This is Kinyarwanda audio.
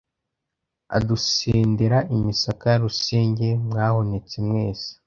Adusendera imisaka ya Rusenge Mwahonotse mwese